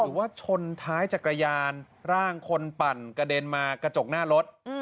ว่าชนท้ายจักรยานร่างคนปั่นกระเด็นมากระจกหน้ารถ